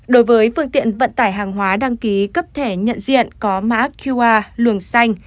đối với phương tiện vận tải hàng hóa đăng ký cấp thẻ nhận diện có mã qr luồng xanh